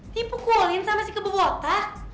dipukulin sama si ke bobotak